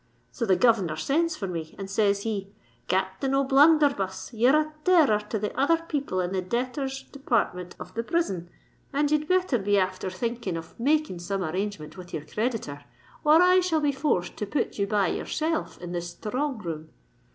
So the governor sends for me, and says he, '_Capthain O'Bluntherbuss, ye're a terror to the other people in the debtors' department of the prison, and ye'd betther be after thinking of making some arrangement with your creditor, or I shall be forced to put you by yourself in the sthrong room.